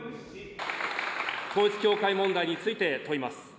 統一教会問題について問います。